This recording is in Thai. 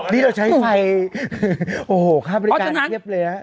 นี่เราใช้ไฟโอ้โหค่าบริการเพียบเลยฮะ